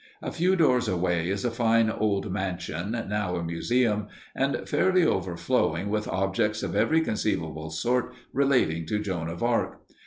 A few doors away is a fine old mansion, now a museum, and fairly overflowing with objects of every conceivable sort relating to Joan of Arc.